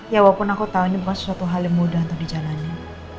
ya walaupun aku tahu ini bukan sesuatu hal yang mudah untuk dijalani